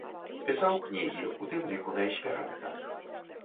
Пісаў кнігі, у тым ліку на эсперанта.